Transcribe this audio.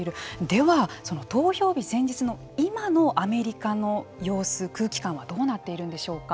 では、その投票日前日の今のアメリカの様子、空気感はどうなっているんでしょうか。